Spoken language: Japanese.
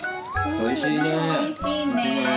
おいしいね。